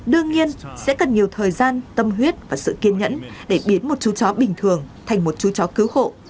đương nhiên sẽ cần nhiều thời gian tâm huyết và sự kiên nhẫn để biến một chú chó bình thường thành một chú chó cứu hộ